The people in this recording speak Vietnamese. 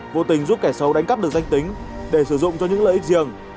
vô tình giúp kẻ xấu đánh cắp được danh tính để sử dụng cho những lợi ích riêng